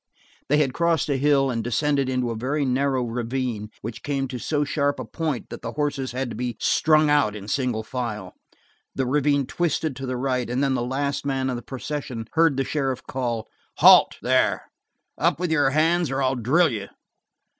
They had crossed a hill, and descended into a very narrow ravine which came to so sharp a point that the horses had to be strung out in single file. The ravine twisted to the right and then the last man of the procession heard the sheriff call: "Halt, there! Up with your hands, or I'll drill you!"